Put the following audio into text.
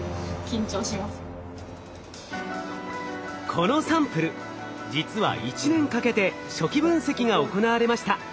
このサンプル実は１年かけて初期分析が行われました。